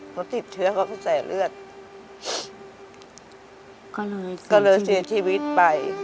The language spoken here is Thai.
เพราะติดเชื้อเขาก็แส่เลือดก็เลยเสียชีวิตไป